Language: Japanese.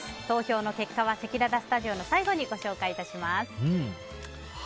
投票結果はせきららスタジオの最後にご紹介します。